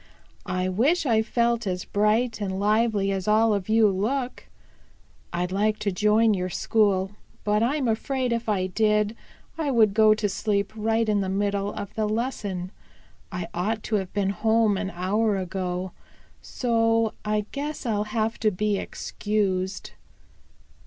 "I wish I felt as bright and lively as all of you look. I'd like to join your school, but I'm afraid if I did I would go to sleep right in the middle of the lesson. I ought to have been home an hour ago. So I guess I'll have to be excused."